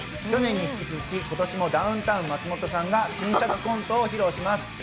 去年に引き続き、今年もダウンタウン松本さんが新作コントを披露します。